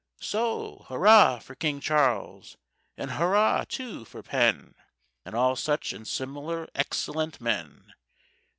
So, hurrah for King Charles! and hurrah, too, for Penn! _And all such and similar excellent men!